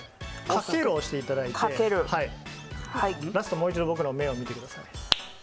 掛けるを押していただいて、ラスト、もう一度僕の目を見てください